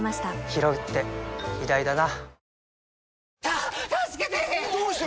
ひろうって偉大だな